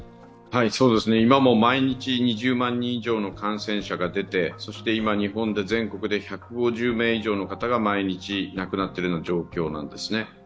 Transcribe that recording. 今も毎日２０万人以上の感染者が出てそして今、日本で全国で１０５名以上の方が毎日亡くなっているような状況なんですね。